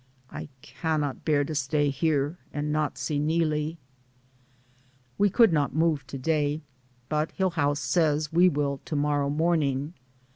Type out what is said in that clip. I cannot bear to stay here and not see Neelie. We could not move to day, but Hillhouse says we will to morrow morning.